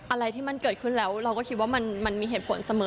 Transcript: อะไรที่มันเกิดขึ้นแล้วเราก็คิดว่ามันมีเหตุผลเสมอ